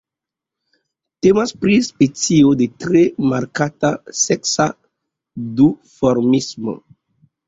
Temas pri specio de tre markata seksa duformismo.